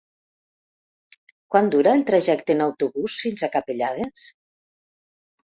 Quant dura el trajecte en autobús fins a Capellades?